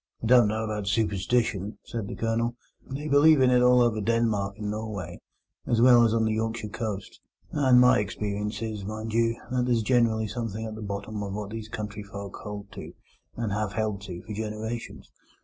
"I don't know about superstition," said the Colonel. "They believe in it all over Denmark and Norway, as well as on the Yorkshire coast; and my experience is, mind you, that there's generally something at the bottom of what these country folk hold to, and have held to for generations.